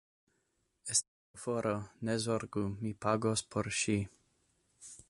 Estimata ŝoforo, ne zorgu, mi pagos por ŝi